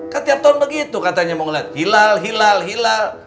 kan tiap tahun begitu katanya mau ngeliat hilal hilal hilal